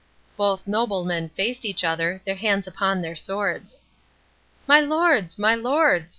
Both noblemen faced each other, their hands upon their swords. "My lords, my lords!"